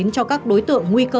cho các đối tượng nguy cơ